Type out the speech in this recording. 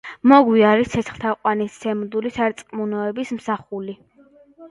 მოგვი არის ცეცხლთაყვანისმცემლური სარწყმუნოების მსახული.